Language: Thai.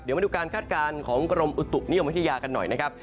เดี๋ยวมาดูการคาดการณ์ของกรมอุตุนิยมวิทยากันหน่อยนะครับ